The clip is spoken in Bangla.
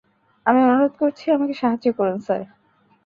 আমি অনুরোধ করছি, আমাকে সাহায্য করুন, স্যার।